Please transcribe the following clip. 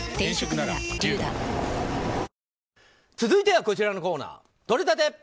続いてはこちらのコーナーとれたて！